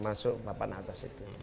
masuk papan atas itu